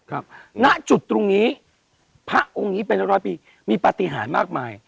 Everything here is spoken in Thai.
ณจุดตรงนี้พระองค์นี้เป็นร้อยปีมีปฏิหารมากมาย